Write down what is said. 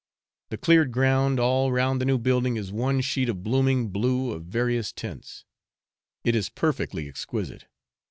The cleared ground all round the new building is one sheet of blooming blue of various tints; it is perfectly exquisite.